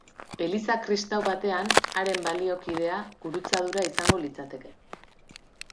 Eliza kristau batean, haren baliokidea, gurutzadura izango litzateke.